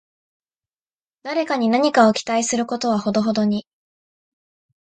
誰かに何かを期待することはほどほどに